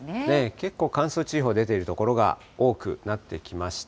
結構、乾燥注意報出ている所が多くなってきました。